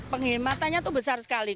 penghematannya itu besar sekali